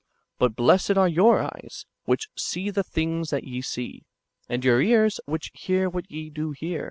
But blessed are your eyes, which see the things that ye see ; and your ears, which hear what ye do hear."